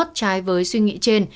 bất trái với suy nghĩ trên